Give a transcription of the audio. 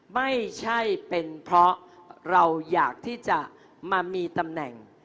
ไม่ใช่เป็นเพราะเราอยากที่จะมามีตำแหน่ง